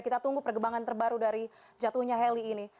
kita tunggu pergembangan terbaru dari jatuhnya heli ini